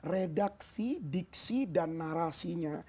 redaksi diksi dan narasinya